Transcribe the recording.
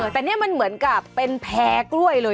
แต่นี่มันเหมือนกับเป็นแพ้กล้วยเลย